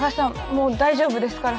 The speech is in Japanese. もう大丈夫ですから。